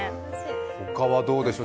ほかはどうでしょう。